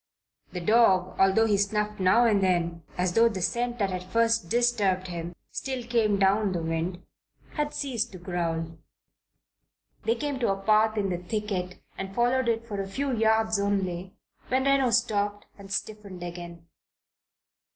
The dog, although he snuffed now and then as though the scent that had first disturbed him still came down the wind, had ceased to growl. They came to a path in the thicket and followed it for a few yards only, when Reno stopped and stiffened again.